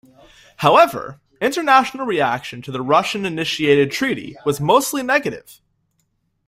However, international reaction to the Russian-initiated treaty was mostly negative.